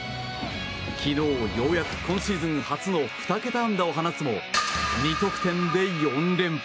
昨日、ようやく今シーズン初の２桁安打を放つも２得点で４連敗。